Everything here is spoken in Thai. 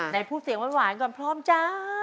ไหนพูดเสียงหวานก่อนพร้อมจ้า